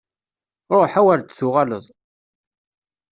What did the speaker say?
Ruḥ, awer d-tuɣaleḍ!